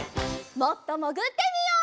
もっともぐってみよう。